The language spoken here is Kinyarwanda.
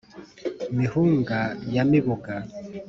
mihunga ya mibuga